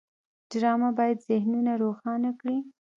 ډرامه باید ذهنونه روښانه کړي